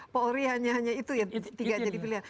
polri hanya hanya itu ya tiga jadi pilihan